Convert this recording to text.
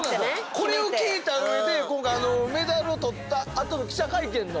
これを聞いた上で今回メダルを取ったあとの記者会見の。